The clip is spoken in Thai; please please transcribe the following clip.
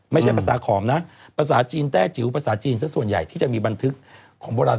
ไม่ใช่ภาษาขอมนะภาษาจีนแต้จิ๋วภาษาจีนซะส่วนใหญ่ที่จะมีบันทึกของโบราณ